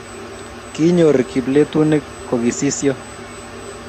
kinyor kiplelutinik ko kisisyo